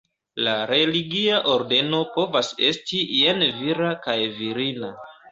La religia ordeno povas esti jen vira kaj virina.